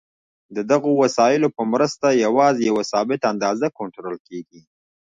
د دغو وسایلو په مرسته یوازې یوه ثابته اندازه کنټرول کېږي.